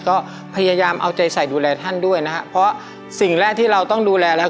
ก็พยายามเอาใจใส่ดูแลท่านด้วยนะฮะเพราะสิ่งแรกที่เราต้องดูแลแล้ว